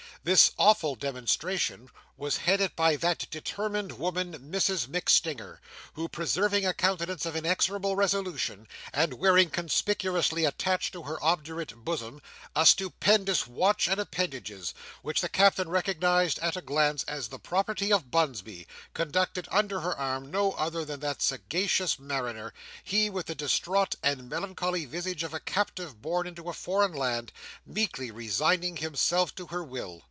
This awful demonstration was headed by that determined woman Mrs MacStinger, who, preserving a countenance of inexorable resolution, and wearing conspicuously attached to her obdurate bosom a stupendous watch and appendages, which the Captain recognised at a glance as the property of Bunsby, conducted under her arm no other than that sagacious mariner; he, with the distraught and melancholy visage of a captive borne into a foreign land, meekly resigning himself to her will.